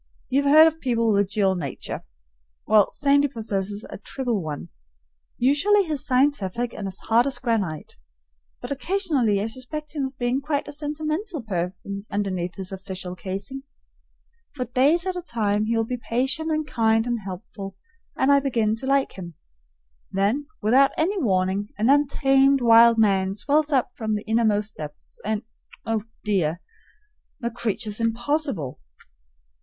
You have heard of people with a dual nature; well, Sandy possesses a triple one. Usually he's scientific and as hard as granite, but occasionally I suspect him of being quite a sentimental person underneath his official casing. For days at a time he will be patient and kind and helpful, and I begin to like him; then without any warning an untamed wild man swells up from the innermost depths, and oh, dear! the creature's impossible.